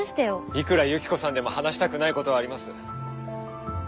いくらユキコさんでも話したくないことはあります。